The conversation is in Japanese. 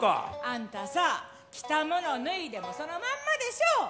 あんたさ着たもの脱いでもそのまんまでしょう！